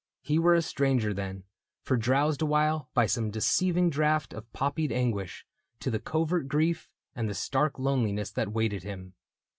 He were a stranger then, Foredrowsed awhile by some deceiving draught Of poppied anguish, to the covert grief And the stark loneliness that waited him.